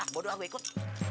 ah bodoh aku ikut